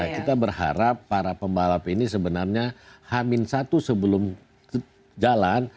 kita berharap para pembalap ini sebenarnya hamil satu sebelum jalan